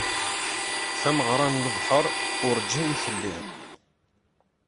Tameγra n lebḥeṛ urğin telli.